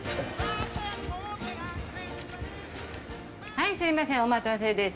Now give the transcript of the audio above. はいすみませんお待たせです。